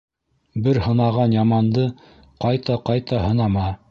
Бер һынаған яманды ҡайта-ҡайта һынама.